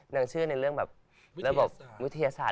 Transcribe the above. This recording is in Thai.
นางเชื่อในเรื่องแบบระบบวิทยาศาสต